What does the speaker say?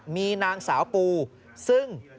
มีนางสาวปูซึ่ง